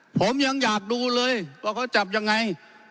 ผมยังอยากดูเลยว่าเขาจับยังไง